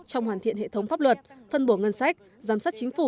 trong hoàn thiện hệ thống pháp luật phân bổ ngân sách giám sát chính phủ